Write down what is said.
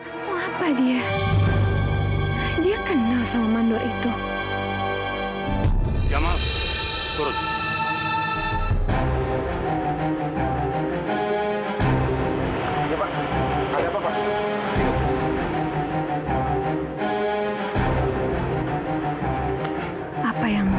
sampai jumpa di video selanjutnya